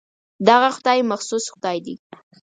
دغه خدای مخصوص خدای دی.